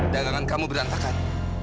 dagangan kamu berantakan